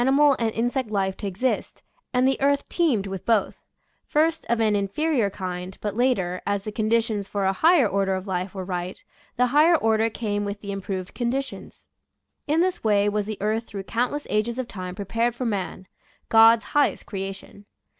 mal and insect life to exist, and the earth teemed with both; first of an inferior kind, but later, as the conditions for a higher order of life were right, the higher order came with the improved conditions. In this way was the earth through countless ages of time prepared for man — God's highest creation.